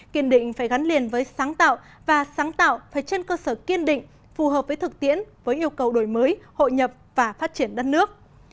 kiên định phải gắn liền với sáng tạo và sáng tạo phải trên cơ sở kiên định phù hợp với thực tiễn với yêu cầu đổi mới hội nhập và phát triển đất nước